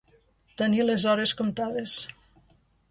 Tenir les hores comptades.